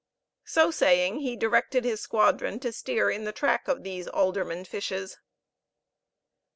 So saying, he directed his squadron to steer in the track of these alderman fishes.